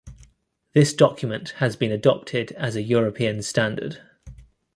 This document has been adopted as a European standard.